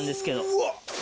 うわっ！